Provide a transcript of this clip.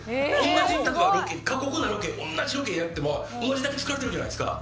同じ過酷なロケ同じロケやっても同じだけ疲れてるじゃないですか。